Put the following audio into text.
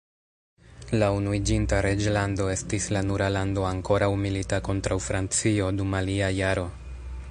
La Unuiĝinta Reĝlando estis la nura lando ankoraŭ milita kontraŭ Francio dum alia jaro.